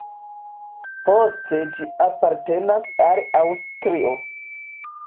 Poste ĝi apartenas al Aŭstrio.